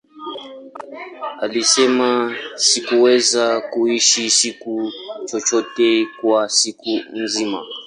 Alisema, Sikuweza kuhisi kitu chochote kwa siku nzima.